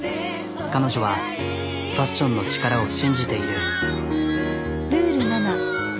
彼女はファッションの力を信じている。